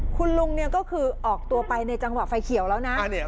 คุณลุงเนี่ยก็คือออกตัวไปในจังหวะไฟเขียวแล้วนะ